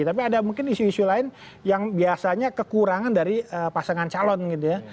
tapi ada mungkin isu isu lain yang biasanya kekurangan dari pasangan calon gitu ya